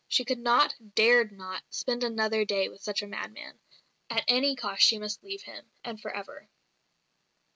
She could not, dared not, spend another day with such a madman. At any cost she must leave him and for ever.